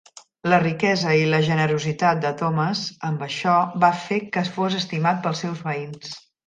La riquesa i la generositat de Thomas amb això va fer que fos estimat pels seus veïns.